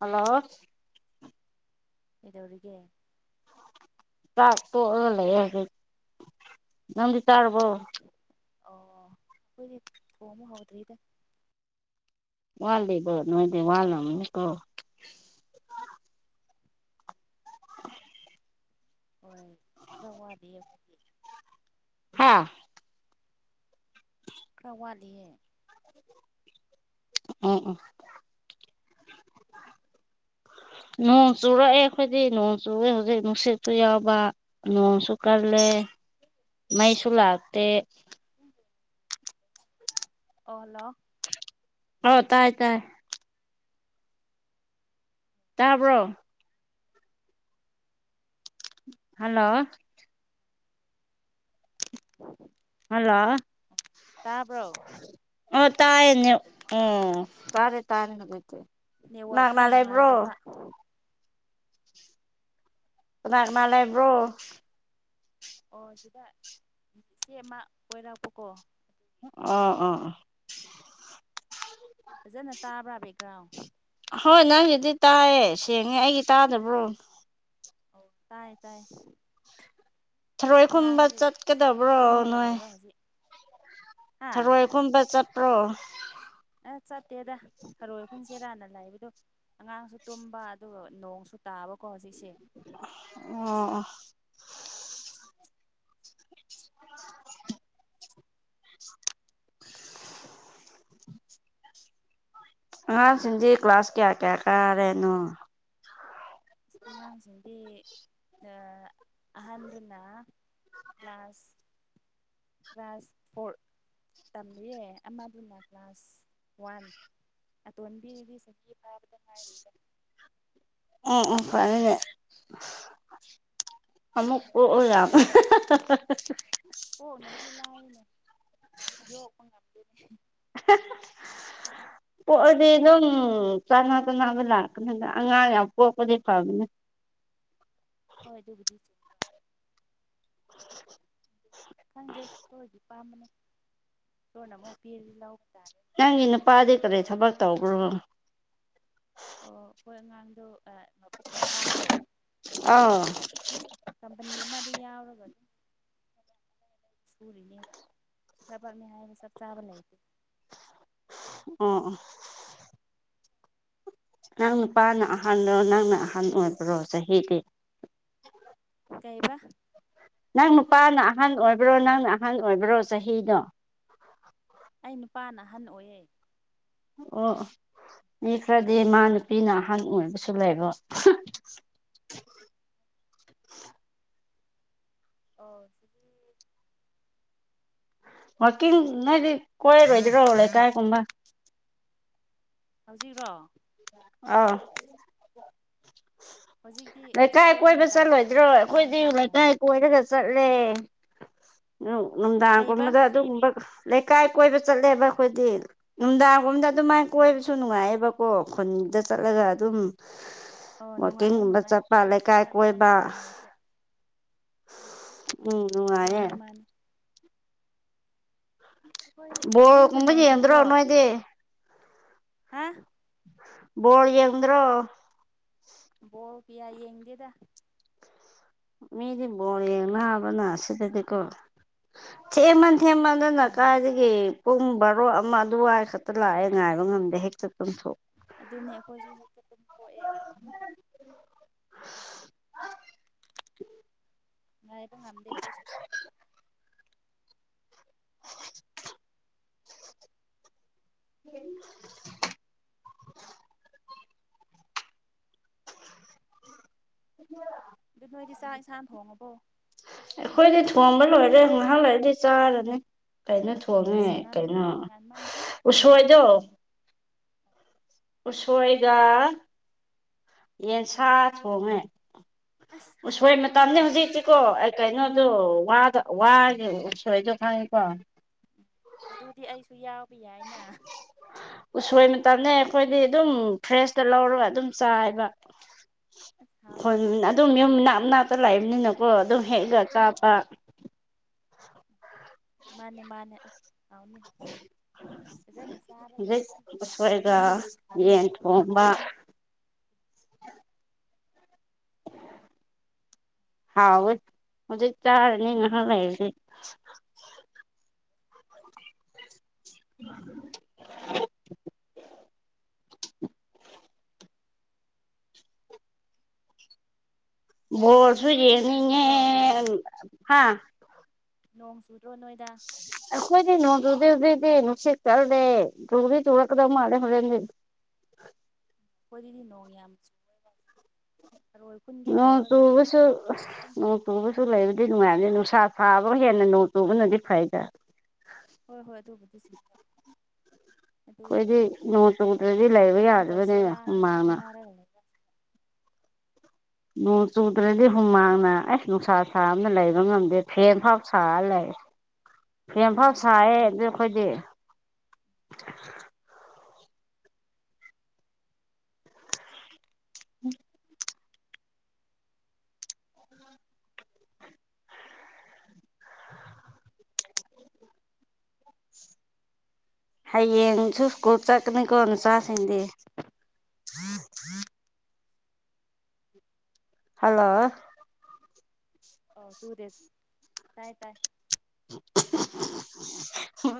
hello ꯏꯧꯒ ꯆꯥꯛ ꯇꯣꯑꯒ ꯂꯩ ꯅꯗꯤ ꯆꯥꯔꯕ ꯑꯣ ꯑꯩꯈꯣꯏꯗꯤ ꯊꯣꯡ ꯑꯃ ꯍꯧꯗ꯭ꯔꯤꯗ ꯋꯥꯜꯗꯦꯕ ꯅꯣꯏꯗ ꯋꯥꯜꯂꯝ ꯀ [unintelligible] ꯍꯣꯏ ꯈꯔꯋꯥꯗ ꯍꯥꯥ ꯈꯋꯥꯂꯤꯌꯦ ꯎꯝ ꯎꯝ ꯅꯣꯡ ꯆꯨꯔꯛꯑꯦ ꯑꯩꯈꯣꯏꯗꯤ ꯅꯣꯡ ꯆꯨꯦ ꯍꯧꯖꯤꯛ ꯅꯨꯡꯁꯤꯠꯁꯨ ꯌꯥꯎꯕ ꯅꯣꯡꯁꯨ ꯀꯜꯂ ꯑꯂꯦ ꯃꯩꯁꯨꯣꯂꯇ ꯑꯣꯂꯣ ꯍ ꯇꯥꯏ ꯇꯥꯏ ꯇꯥꯕ꯭ꯔꯣ ꯍꯜꯂꯣ ꯎꯝ ꯑꯜꯂ ꯑꯣ ꯇꯥꯏꯅꯤ ꯑꯣ ꯇꯔꯦ ꯇꯥꯔꯦꯅꯒꯣꯏꯠꯇꯦ ꯅꯦꯠꯋꯥꯛ ꯈꯔ ꯅꯨꯡꯉꯥꯏꯇꯕ ꯅꯥꯅꯥꯂ ꯏꯕ꯭ꯔꯣ ꯑꯣ ꯁꯤꯗ ꯆꯦ ꯑꯃ ꯑꯣꯏꯔꯛꯄꯀꯣ ꯑꯥ ꯑꯥ ꯐꯖꯅ ꯇꯥꯕ꯭ꯔꯥꯕꯒ꯭ꯔꯥꯎ ꯍꯣꯏ ꯅꯪꯁꯤꯗꯤ ꯇꯥꯏꯌꯦ ꯁꯦꯡꯉꯦ ꯑꯩꯒꯤ ꯇꯥꯗꯕ꯭ꯔꯣ ꯑꯣ ꯇꯥꯏ ꯇꯥꯏ ꯊꯔꯣꯏ ꯀꯨꯝꯕ ꯑꯉꯥꯡꯁꯨ ꯆꯠꯀꯗꯕ꯭ꯔꯣ ꯇꯨꯝꯃꯒ ꯅꯣꯏ ꯂꯩꯕ ꯍꯧꯖꯤꯛ ꯍꯥ ꯁꯔꯣꯏ ꯀꯨꯝꯕ ꯆꯠꯄ꯭ꯔꯣ ꯑꯁ ꯆꯠꯇꯦꯗ ꯍꯔꯣꯏ ꯑꯩꯈꯟꯁꯦ ꯔꯥꯟꯅ ꯂꯥꯛꯏꯕꯗꯣ ꯑꯉꯥꯡꯁꯨ ꯇꯨꯝꯕ ꯑꯗꯨꯒ ꯅꯣꯡꯁꯨ ꯇꯥꯕꯀꯣ ꯍꯧꯖꯤꯛ ꯑꯣ [unintelligible] ꯎ ꯑꯉꯥꯡꯁꯤꯡꯗꯤ ꯀ꯭ꯂꯥꯁ ꯀꯌꯥ ꯀꯌꯥ ꯀꯥꯔꯦꯅꯣ ꯑꯉꯥꯡꯁꯤꯡꯗꯤ ꯑꯍꯟꯗꯨꯅ ꯀ꯭ꯂ ꯀ꯭ꯂꯥꯁ ꯀ꯭ꯂ ꯀ꯭ꯂꯥꯁ ꯐꯣꯔ ꯇꯝꯃꯦꯌꯦ ꯑꯃꯗꯨꯅ ꯀ꯭ꯂꯥꯁ ꯋꯥꯟ ꯑ ꯇꯣꯟꯗꯗꯤ ꯁꯒꯤꯚꯥꯔꯗ ꯔꯗ ꯎꯝ ꯎꯝ ꯐꯔꯅꯦꯦ ꯑꯃꯃꯨꯛ ꯑꯣ ꯌꯥ ꯍꯅꯕꯗꯤ ꯂꯥꯏꯅꯦ ꯌꯣꯛꯄ ꯉꯝꯗꯦꯅꯦ ꯍ ꯄꯣꯛꯑꯗꯤ ꯑꯗꯨꯝ ꯆꯥꯅ ꯆꯅꯕ ꯂꯥꯛꯀꯅꯤꯗ ꯑꯉꯥꯡ ꯌꯥꯝ ꯄꯣꯛꯄꯗꯤ ꯐꯕꯅꯦ [unintelligible] ꯍꯣꯏ ꯑꯗꯨꯕꯨꯗꯤ ꯆ [unintelligible] ꯈꯪꯗꯩ ꯁꯣꯔꯗꯤ ꯄꯥꯝꯕꯅꯦ ꯁꯣꯔꯅ ꯑꯃꯨꯛ ꯄꯦꯗꯤ ꯂꯧꯕꯇꯥꯥꯔ ꯅꯪꯒꯤ ꯅꯨꯄꯥꯗꯤ ꯀꯔꯤ ꯊꯕꯛ ꯇꯧꯕ꯭ꯔꯣ ꯑꯣ ꯑꯩꯈꯣꯏ ꯑꯉꯥꯡꯗ ꯃꯄꯥꯗꯣ ꯑꯥꯎ ꯑꯣ ꯀꯝꯄꯅꯤ ꯑꯃ ꯗꯤ ꯌꯥꯎꯒ ꯑꯗꯨ ꯏꯒ ꯆꯈ꯭ꯔꯥꯄꯔ ꯅ ꯍꯥꯏꯕ ꯁ ꯆꯥꯕ ꯂꯩꯇ ꯎ ꯅꯪ ꯅꯨꯄꯥꯅ ꯑꯍꯥꯟꯕꯣ ꯅꯪꯅ ꯑꯍꯟ ꯑꯣꯏꯕ꯭ꯔꯣ ꯆꯍꯤꯗꯤ ꯀꯩꯕ ꯅꯪ ꯅꯨꯄꯥꯅ ꯑꯍꯟ ꯑꯣꯏꯕ꯭ꯔꯣ ꯅꯪꯅ ꯑꯍꯟ ꯑꯣꯏꯕ꯭ꯔꯣ ꯆꯍꯤꯗꯣ ꯑꯩ ꯅꯨꯄꯥꯅ ꯑꯍꯟ ꯑꯣꯏꯌꯦ ꯑꯣ ꯃꯤ ꯈꯔꯗꯤ ꯃꯥ ꯅꯨꯄꯤꯅ ꯑꯍꯟ ꯑꯣꯏꯕꯁꯨ ꯂꯩꯕꯣ ꯑꯣ ꯁꯤꯒꯤ ꯋꯥꯀꯤꯡ ꯅꯣꯏꯗꯤ ꯀꯣꯏꯔꯣꯏꯗꯔꯣ ꯂꯩ ꯀꯥꯏ ꯀꯨꯝꯕ ꯍꯧꯖꯤꯛꯔꯣ ꯑꯥ ꯍꯧꯖꯤꯛꯇꯤ ꯑꯁ ꯂꯩꯀꯥꯏ ꯀꯣꯏꯕ ꯃꯇꯝ ꯆꯠꯂꯣꯏꯗ꯭ꯔꯣ ꯂꯩꯇ꯭ꯔꯦꯗ ꯆꯥꯛ ꯑꯩꯈꯣꯏꯗꯤ ꯏꯟꯁꯥꯡ ꯊꯣꯡꯉꯦ ꯂꯩꯀꯥꯏ ꯀꯣꯏꯔꯒ ꯆꯠꯂꯦ ꯀꯩꯕ ꯅꯨꯡꯗꯥꯡꯒꯨꯝꯕꯗ ꯑꯗꯨꯒꯨꯝꯕ ꯂꯩꯀꯥꯏ ꯀꯣꯏꯕ ꯆꯠꯂꯦꯕ ꯑꯩꯈꯣꯏꯗꯤ ꯅꯨꯡꯗꯥꯡꯒꯨꯝꯝꯗ ꯑꯗꯨꯃꯥꯏꯅ ꯑꯣ ꯀꯣꯏꯕꯁꯨ ꯅꯨꯡꯉꯥꯏꯌꯦꯕ ꯀꯣ ꯈꯨꯟꯗ ꯆꯠꯂꯒ ꯑꯗꯨꯝ ꯑꯣ ꯅꯨꯡꯉꯥꯏꯌꯦ ꯋꯥꯛꯀꯤꯡꯒꯨꯝꯕ ꯅꯨꯡꯉꯥꯏꯌꯦ ꯆꯠꯄ ꯑꯩꯈꯣꯏꯗꯤ ꯂꯩꯀꯥꯏ ꯆꯠꯄ ꯀꯣꯏꯕ ꯃꯇꯝ ꯂꯩꯇ꯭ꯔꯦ ꯎꯝ ꯎꯉꯔꯦ ꯃꯥꯅꯦ ꯃꯥꯅꯦ ꯑꯩꯈꯣꯏ ꯕꯣ ꯑꯁ ꯅꯣꯏꯗ ꯀꯨꯝꯕꯩꯁꯦ ꯅꯣꯡ ꯌꯦꯡꯗ꯭ꯔꯣ ꯆꯨꯗ꯭ꯔꯣ ꯅꯑꯣꯏꯗꯤ ꯍꯥ ꯕꯣꯔ ꯌꯦꯗ꯭ꯔꯣ ꯕꯣ ꯄꯌꯥ ꯌꯦꯡꯗꯦꯗ ꯃꯤꯗꯤ ꯃꯣꯔ ꯌꯦꯅꯕꯅ ꯁꯤꯗꯗꯤꯀꯣ ꯆꯃ ꯀꯊꯦꯝ ꯎꯝ ꯃꯗꯅꯀꯥꯁꯤꯗꯒꯤ ꯄꯨꯡ ꯕꯥꯔꯣ ꯑꯃ ꯑꯗꯨꯋꯥꯏ ꯈꯛꯇ ꯂꯥꯛꯑꯦ ꯉꯥꯏꯕ ꯉꯝꯗꯦ ꯍꯦꯛꯇ ꯆꯨꯝꯊꯣꯛ ꯑꯗꯨꯅꯦ ꯑꯩꯈꯣꯏꯁꯨ ꯄꯣꯛꯑꯦ [inaudible] ꯉꯥꯏꯕ ꯉꯝꯗꯦ ꯀꯣꯏꯁꯤ [inaudible] ꯎꯝ ꯑꯗꯨ ꯅꯣꯏꯗꯤ ꯆꯥꯛ ꯏꯟꯁꯥꯡ ꯊꯣꯡꯉꯕꯣ ꯑꯩꯈꯣꯏꯗꯤ ꯊꯣꯡꯝꯕ ꯂꯣꯏꯔꯦ ꯉꯥꯏꯍꯥꯛ ꯂꯩꯔꯗꯤ ꯆꯥꯔꯅꯤ ꯀꯩꯅꯣ ꯑꯁ ꯊꯣꯡꯉꯦ ꯀꯩꯅꯣ ꯉꯜꯂꯤꯍꯦ ꯉꯟꯃꯟꯗ꯭ꯔꯣ ꯎꯁꯣꯏꯗꯣ ꯎꯁꯣꯏꯒ ꯌꯦꯟꯁꯥ ꯊꯣꯡꯉꯦ ꯑꯁ ꯎꯁꯣꯏ ꯍꯥꯎꯅꯤꯍꯦ ꯃꯇꯅꯦ ꯍꯧꯖꯤꯛ ꯏꯁꯤꯀꯣ ꯁꯤꯗꯤ ꯑꯩ ꯀꯩꯅꯣ [unintelligible] ꯋꯥꯗ ꯋꯥ ꯁꯣꯏꯗ ꯈꯥꯏꯉꯀꯣ ꯎ ꯑꯗꯨꯗꯤ ꯑꯩꯁꯨ ꯌꯥꯎꯏ ꯍꯥꯏꯅ ꯇꯞꯅꯩ ꯑꯩꯈꯣꯏꯗꯤ ꯑꯗꯨꯝ ꯐ꯭ꯔꯦꯁꯇ ꯂꯧꯔꯒ ꯑꯗꯨꯝ ꯆꯥꯏꯕ ꯑꯁ ꯍꯣꯏ ꯍꯥꯎꯅꯤ ꯍꯥꯎꯅꯤ ꯑꯗꯨꯝ ꯌꯨꯝ ꯅꯥꯞ [unintelligible] ꯇ ꯂꯥꯛꯏꯕꯅꯤꯅꯀꯣ ꯑꯗꯨꯝ ꯍꯦꯛꯒ ꯆꯥꯞꯄ ꯃꯥꯅꯦ ꯃꯥꯅꯦ ꯑꯁ ꯊꯥꯎꯅꯤ ꯍꯥꯏ ꯍꯧꯖꯤꯁꯣꯏꯒ ꯌꯦꯟ ꯇꯨꯝꯊꯣꯛꯑꯣ ꯀꯣꯝꯕ [inaudible] [inaudible] ꯍꯥꯎ ꯍꯧꯗꯤ ꯆꯥꯔꯅꯤꯅ [unintelligible] ꯂꯩꯅꯤ [inaudible] [unintelligible] ꯒ꯭ꯌꯥꯟ ꯇꯥꯗꯦ ꯔꯁꯨꯨ ꯅꯣꯏꯗ ꯌꯦꯅꯤ ꯅꯣꯡ ꯆꯨꯗ꯭ꯔꯣ ꯍꯥꯥ ꯂꯣꯡ ꯁꯨꯠ ꯀꯣꯏꯗꯤꯅꯅꯨꯡ [unintelligible] ꯇꯗꯤꯅꯅꯨꯡꯁꯤ [unintelligible] ꯆꯗ ꯇꯨꯕꯤ ꯆꯨꯔ ꯀꯗꯧ ꯃꯥ ꯍꯔ [unintelligible] ꯑꯣꯏꯗꯤ ꯅꯣꯡ ꯌꯥꯝ ꯊꯔꯣꯏ ꯈꯨꯟꯒꯦ ꯅꯣꯡ ꯇꯧꯔꯒ ꯆꯨꯕꯁꯨ ꯅꯣꯡ ꯑꯗꯨꯝ ꯆꯨ ꯅꯣꯡ ꯂꯩꯕ ꯆꯨꯕꯁꯨ ꯂꯩꯕꯗꯤ ꯅꯨꯡꯉꯥꯏꯔꯅꯤ ꯅꯨꯡꯁꯥ ꯊꯥꯕ ꯍꯦꯟꯅ ꯅꯣꯡ ꯇꯨꯕꯅꯗꯤ ꯐꯩꯗ ꯍꯣꯏ ꯍꯣꯏ ꯑꯗꯨꯕꯨꯗꯤꯁꯨꯕ ꯑꯩꯈꯣꯏꯗꯤ ꯅꯣꯡ ꯆꯣꯡꯗ꯭ꯔꯗꯤ ꯂꯩꯕ ꯀꯃꯥꯏꯅ ꯌꯥꯗꯕꯅꯦ ꯇꯧꯁꯤꯔꯥ ꯍꯥꯏꯅ ꯍꯨꯃꯥꯡꯅ ꯈꯟꯅꯔꯒ ꯂꯩꯕ ꯅꯣꯡ ꯆꯨꯗ꯭ꯔꯗꯤ ꯍꯨꯃꯥꯡꯅ ꯑꯁ ꯅꯨꯡꯁꯥ ꯁꯥꯕꯅ ꯂꯩꯕ ꯉꯝꯗꯦ ꯐꯦꯟ ꯐꯥꯎ ꯁꯥꯔ ꯂꯩ ꯍꯐꯥꯎ ꯑꯗꯨꯅꯦ ꯁꯥꯏꯌꯦꯦ ꯁꯦꯟ ꯑꯗꯨ ꯑꯩꯈꯣꯏꯗꯤ ꯎꯝ ꯍꯌꯦꯡꯁꯨ ꯁ꯭ꯀꯨꯜ ꯆꯠꯀꯅꯤꯀꯣ ꯅꯨꯆꯥꯁꯤꯡꯗꯤ ꯊ꯭ꯔꯤ ꯊ꯭ꯔꯤ ꯍꯜꯂꯣ ꯑꯣ ꯁꯨꯔꯦꯁ ꯇꯥꯏ ꯇꯥꯏ ꯎ